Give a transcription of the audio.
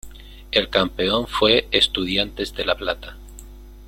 El campeón fue Estudiantes de La Plata.